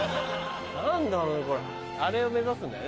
何だろうね